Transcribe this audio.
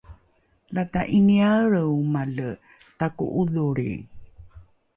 lata ’iniaelre omale tako’odholri!